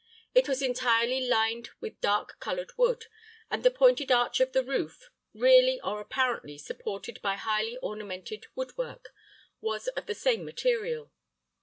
It was entirely lined with dark colored wood, and the pointed arch of the roof, really or apparently supported by highly ornamented wood work, was of the same material.